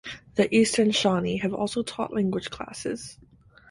The Eastern Shawnee have also taught language classes.